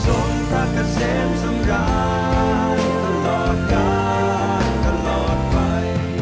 ส่งพระเกษมสงคราวตลอดกาลตลอดไป